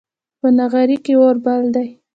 په نغري کې اور بل دی